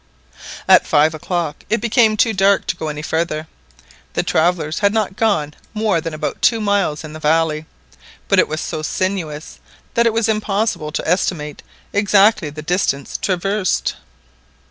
At five o'clock it became too dark to go any further. The travellers had not gone more than about two miles in the valley, but it was so sinuous, that it was impossible to estimate exactly the distance traversed.